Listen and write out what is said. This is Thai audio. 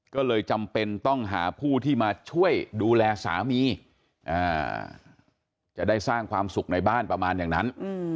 ก็เลยจำเป็นต้องหาผู้ที่มาช่วยดูแลสามีจะได้สร้างความสุขในบ้านประมาณอย่างนั้น